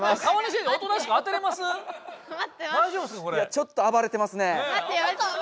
いやちょっとあばれてますね。